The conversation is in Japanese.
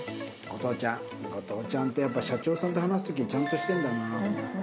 後藤ちゃんってやっぱ社長さんと話す時ちゃんとしてるんだな。